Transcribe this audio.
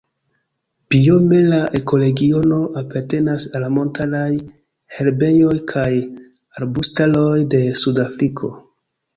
Biome la ekoregiono apartenas al montaraj herbejoj kaj arbustaroj de Sud-Afriko.